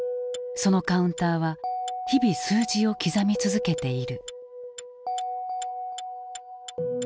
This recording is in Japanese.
そのカウンターは日々数字を刻み続けている。